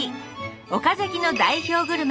岡崎の代表グルメ